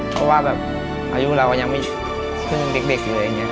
เพราะว่าอายุเรายังไม่เพิ่งเด็กอย่างนี้